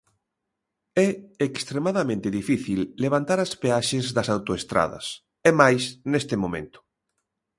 É extremadamente difícil levantar as peaxes das autoestradas, e máis neste momento.